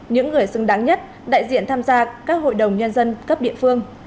những người xứng đáng nhất đại diện tham gia các hội đồng nhân dân cấp địa phương